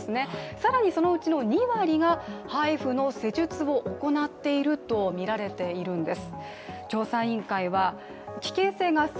更にそのうちの２割がＨＩＦＵの施術を行っているとみられているんです。